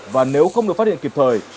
và nếu không được phát hiện kịp thời